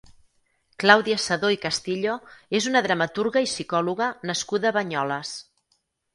Clàudia Cedó i Castillo és una dramaturga i psicòloga nascuda a Banyoles.